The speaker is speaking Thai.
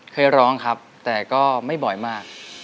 เคยร้องครับแต่ก็ไม่บ่อยมาก